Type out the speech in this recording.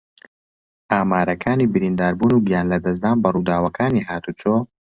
ئامارەکانی برینداربوون و گیانلەدەستدان بە ڕووداوەکانی ھاتوچۆ